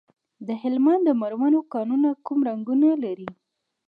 د هلمند د مرمرو کانونه کوم رنګونه لري؟